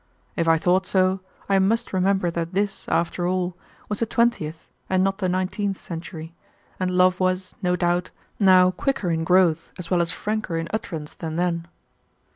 If I thought so, I must remember that this, after all, was the twentieth and not the nineteenth century, and love was, no doubt, now quicker in growth, as well as franker in utterance than then.